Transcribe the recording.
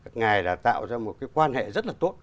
ngài đã tạo ra một cái quan hệ rất là tốt